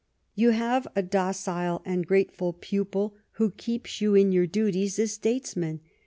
" You have a docile and grateful pupil who helps you in your duties as statesman."